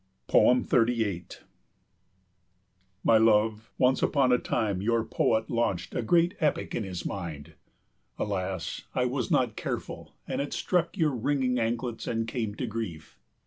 38 My love, once upon a time your poet launched a great epic in his mind. Alas, I was not careful, and it struck your ringing anklets and came to grief.